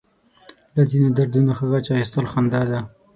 له ځينو دردونو ښه غچ اخيستل خندا ده.